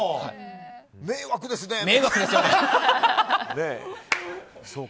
迷惑ですよね。